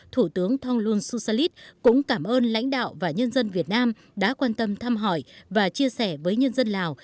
thủ tướng thông luân susalit cũng cảm ơn lãnh đạo và nhân dân việt nam đã quan tâm thăm hỏi và chia sẻ với nhân dân lào